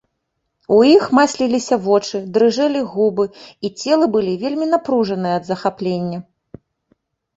У іх масліліся вочы, дрыжэлі губы, і целы былі вельмі напружаныя ад захаплення.